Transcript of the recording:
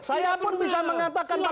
saya pun bisa mengatakan pada redur